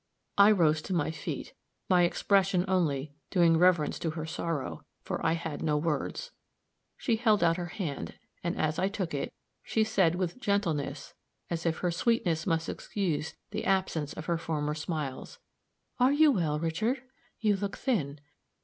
I rose to my feet, my expression only doing reverence to her sorrow, for I had no words. She held out her hand, and as I took it, she said with gentleness as if her sweetness must excuse the absence of her former smiles, "Are you well, Richard? You look thin.